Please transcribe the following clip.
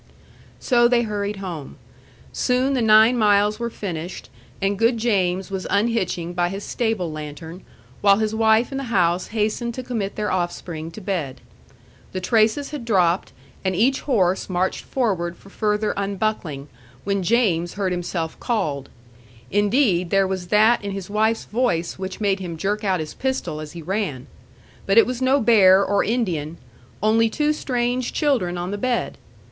So they hurried home. Soon the nine miles were finished, and good James was unhitching by his stable lantern, while his wife in the house hastened to commit their offspring to bed. The traces had dropped, and each horse marched forward for further unbuckling, when James heard himself called. Indeed, there was that in his wife's voice which made him jerk out his pistol as he ran. But it was no bear or Indian only two strange children on the bed.